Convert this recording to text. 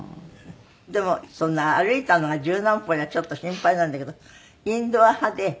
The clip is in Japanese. でもそんな歩いたのが十何歩じゃちょっと心配なんだけどインドア派で趣味は手芸。